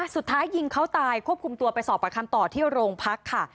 สุดท้ายยิงเขาตายควบคุมตัวไปสอบประคำต่อที่โรงพักค่ะ